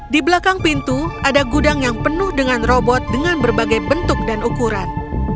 di belakang pintu ada gudang yang penuh dengan robot dengan berbagai bentuk dan ukuran